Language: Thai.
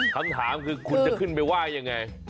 คำถามคือคุณจะขึ้นไปว่ายังไง